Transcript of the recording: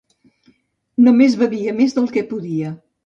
Només bevia més del que podia.